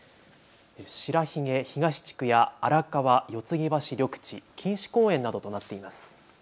白鬚東地区や荒川・四ツ木橋緑地、錦糸公園などとなっています。